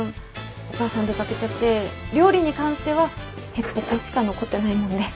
お母さん出掛けちゃって料理に関してはへっぽこしか残ってないもんで。